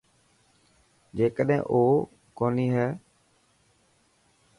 جيڪڏهن او ڪوني هي.